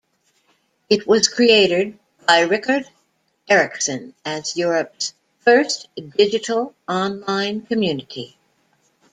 It was created by Rickard Eriksson as Europe's first digital online community.